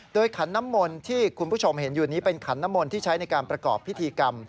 โดยขันน้ำมนต์ที่คุณผู้ชมเห็นอยู่นี้เป็นขันน้ำมนต์ที่ใช้ในการประกอบพิธีกรรม